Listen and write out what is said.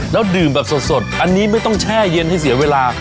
แล้วดื่มแบบสดอันนี้ไม่ต้องแช่เย็นให้เสียเวลา